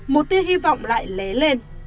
một tia hy vọng lại lé